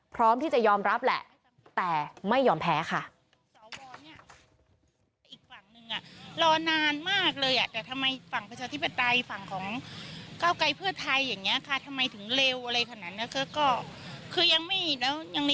พร้อมที่จะยอมรับแหละแต่ไม่ยอมแพ้ค่ะ